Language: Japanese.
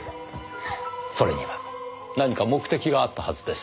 それには何か目的があったはずです。